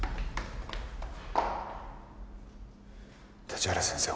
立原先生